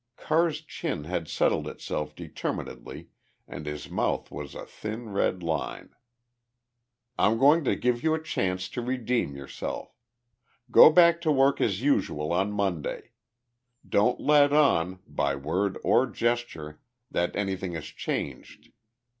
Carr's chin had settled itself determinedly and his mouth was a thin red line. "I'm going to give you a chance to redeem yourself. Go back to work as usual on Monday. Don't let on, by word or gesture, that anything has changed.